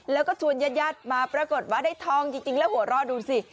แล้วก็ชวนญาติมาปรากฏว่าได้ทองจริงแล้วหัวเราะดูสิ